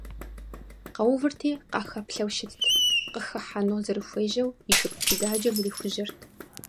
Къэувырти, къахэплъэу щытт, къахыхьэну зэрыхуежьэу и шыпхъу бзаджэм ирихужьэрт.